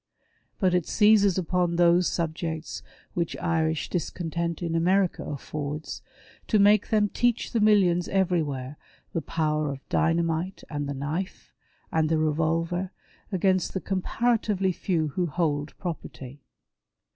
But it seizes upon those subjects which Irish discontent in America affords, to make them teach the millions everywhere the power of dynamite, and the knife, and the revolver, against the comparatively few who hold property.